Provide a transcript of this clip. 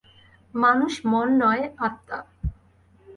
মানুষ মন নয়, আত্মা।